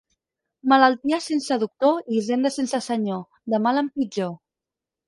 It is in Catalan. Malaltia sense doctor i hisenda sense senyor, de mal en pitjor.